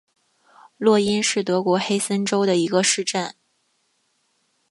洛因是德国黑森州的一个市镇。